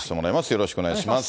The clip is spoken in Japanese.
よろしくお願いします。